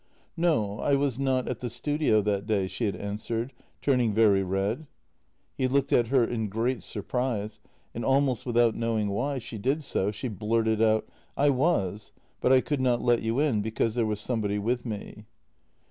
" No, I was not at the studio that day," she had an swered, turning very red. He looked at her in great surprise, and almost without knowing why she did so she blurted out: " I was, but I could not let you in, because there was somebody with me."